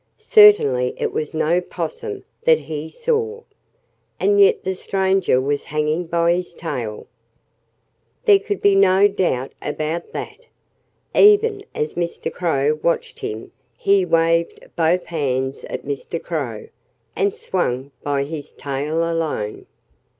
Certainly it was no 'possum that he saw. And yet the stranger was hanging by his tail. There could be no doubt about that. Even as Mr. Crow watched him he waved both hands at Mr. Crow, and swung by his tail alone.